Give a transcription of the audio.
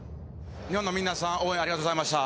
日本の皆さん、応援ありがとうございました。